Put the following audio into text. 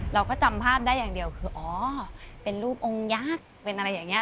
เราก็จำภาพได้อย่างเดียวคืออ๋อเป็นรูปองค์ยักษ์เป็นอะไรอย่างนี้